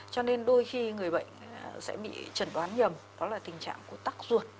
cho nên đôi khi người bệnh sẽ bị trần đoán nhầm đó là tình trạng của tắc ruột